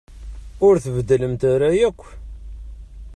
Ur tbeddlemt ara akk.